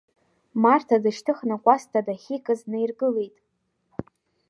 Марҭа дышьҭыхны Кәасҭа дахьикыз днаиргылеит.